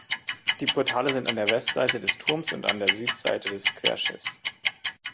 Die Portale sind an der Westseite des Turms und an der Südseite des Querschiffs.